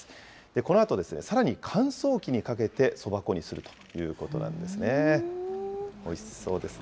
このあとさらに乾燥機にかけて、そば粉にするということなんですね。